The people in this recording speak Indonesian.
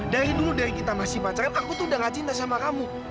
dari dulu dari kita masih pacaran aku tuh udah gak cinta sama kamu